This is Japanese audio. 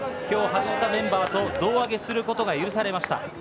きょう走ったメンバーと胴上げすることが許されました。